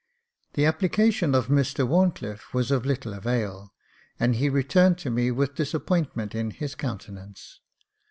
The application of Mr Wharncliffe was of little avail, and he returned to me with disappointment in his countenance.